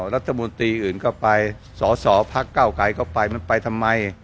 รัฐมนตรีอื่นก็ไปสอสอพักเก้าไกรก็ไปมันไปทำไม